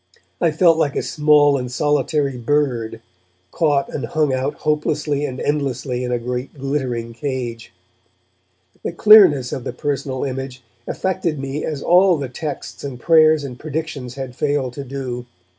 I felt like a small and solitary bird, caught and hung out hopelessly and endlessly in a great glittering cage. The clearness of the personal image affected me as all the texts and prayers and predictions had failed to do.